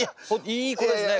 いい子ですね